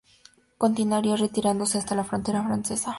Continuaría retirándose hasta la frontera francesa.